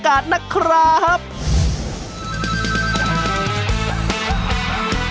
๕ด้านหน้าเป็น๒